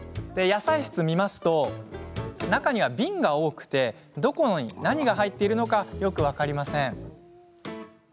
野菜室を見ますと中には瓶が多くどこに何が入っているのかよく分かりません。